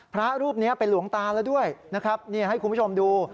พระรูปนี้เป็นหลวงตาแล้วด้วยให้คุณผู้ชมดู